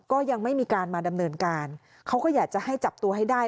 ก็ยังไม่มีการมาดำเนินการเขาก็อยากจะให้จับตัวให้ได้